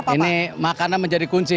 ini makanan menjadi kunci